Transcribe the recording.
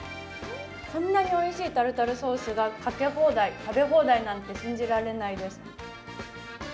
こんなにおいしいタルタルソースがかけ放題、食べ放題なんて信じられないです。